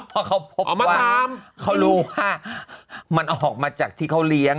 พอเขาพบมะพร้ามเขารู้ว่ามันออกมาจากที่เขาเลี้ยง